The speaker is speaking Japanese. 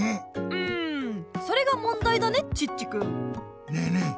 んそれがもんだいだねチッチくん。ねえねえ